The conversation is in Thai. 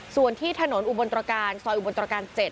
ส่วนที่ถนนอุบลตรการซอยอุบลตรการ๗